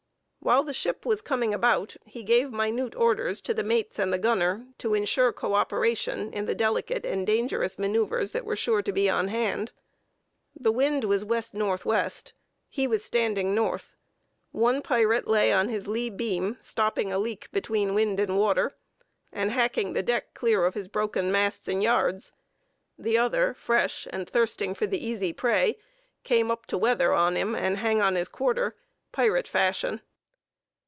While the ship was coming about, he gave minute orders to the mates and the gunner, to ensure co operation in the delicate and dangerous manœuvres that were sure to be on hand. The wind was W.N.W.: he was standing north: one pirate lay on his lee beam stopping a leak between wind and water, and hacking the deck clear of his broken masts and yards. The other fresh, and thirsting for the easy prey, came up to weather on him and hang on his quarter, pirate fashion.